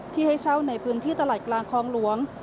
ให้เช่าในพื้นที่ตลาดกลางคลองหลวง